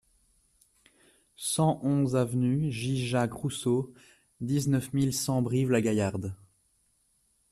cent onze avenue J Jacques Rousseau, dix-neuf mille cent Brive-la-Gaillarde